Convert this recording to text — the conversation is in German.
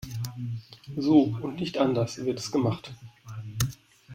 So und nicht anders wird es gemacht.